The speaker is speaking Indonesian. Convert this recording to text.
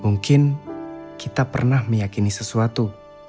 mungkin kita pernah meyakini sesuatu